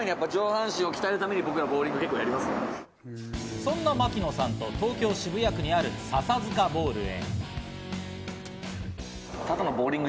そんな槙野さんと東京・渋谷区にある笹塚ボウルへ。